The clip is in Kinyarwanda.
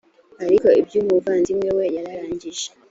ariko iby umuvandimwe we yararangije